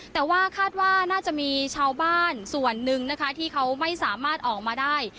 แต่ว่าคาดว่าน่าจะมีชาวบ้านส่วนหนึ่งนะคะที่เขาไม่สามารถออกมาได้